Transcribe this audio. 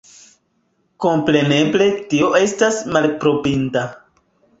Kompreneble tio estas malaprobinda.